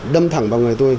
đâm thẳng vào người tôi